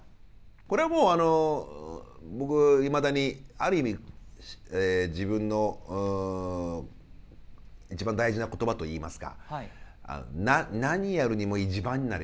これはもうあの僕いまだにある意味自分の一番大事な言葉といいますか１番になれ。